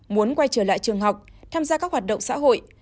muốn quay trở lại trường học tham gia các hoạt động xã hội